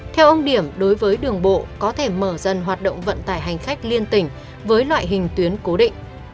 theo ông điểm đối với đường bộ có thể mở dần hoạt động vận tải hành khách liên tỉnh với loại hình tuyến cố định